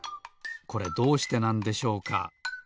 これどうしてなんでしょうか？